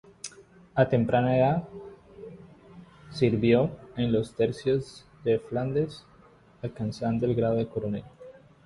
A temprana edad sirvió en los tercios de Flandes, alcanzando el grado de coronel.